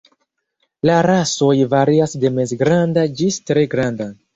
La rasoj varias de mezgranda ĝis tre granda.